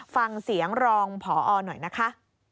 ฟังเสียงรองพอหน่อยนะคะ